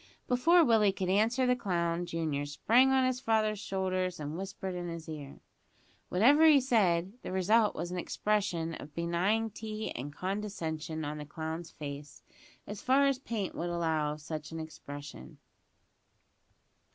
Before Willie could answer the clown junior sprang on his father's shoulders, and whispered in his ear. Whatever he said, the result was an expression of benignity and condescension on the clown's face as far as paint would allow of such expression.